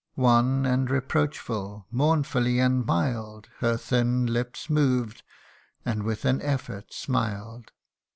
Wan and reproachful, mournfully and mild Her thin lips moved, and with an effort smiled.